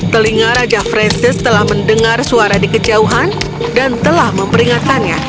telinga raja francis telah mendengar suara di kejauhan dan telah memperingatkannya